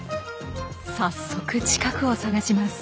早速近くを探します。